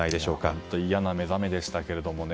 本当、嫌な目覚めでしたけれどもね。